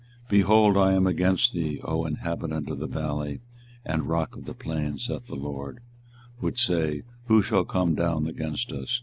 24:021:013 Behold, I am against thee, O inhabitant of the valley, and rock of the plain, saith the LORD; which say, Who shall come down against us?